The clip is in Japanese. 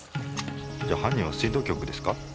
じゃあ犯人は水道局ですか？